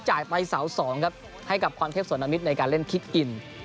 จ่ายไปเสา๒ครับให้กับความเทพส่วนอมิตรในการเล่นคิดอิน